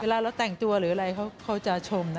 เราแต่งตัวหรืออะไรเขาจะชมนะ